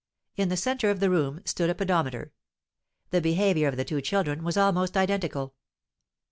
In the center of the room stood a pedometer. The behavior of the two children was almost identical.